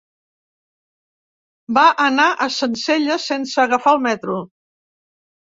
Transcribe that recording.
Va anar a Sencelles sense agafar el metro.